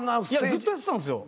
ずっとやってたんですよ。